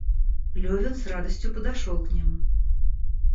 Левин с радостью подошел к ним.